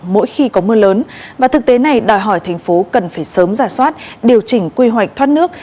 mỗi khi có mưa lớn và thực tế này đòi hỏi thành phố cần phải sớm ra soát điều chỉnh quy hoạch thoát nước